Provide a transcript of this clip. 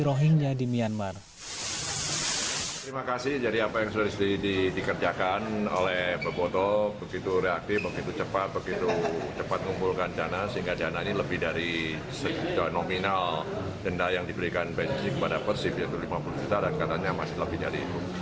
rohingya di myanmar